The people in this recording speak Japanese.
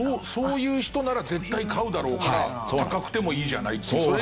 そういう人なら絶対買うだろうから高くてもいいじゃないという。